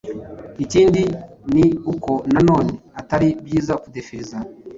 Ikindi ni uko na none atari byiza kudefiriza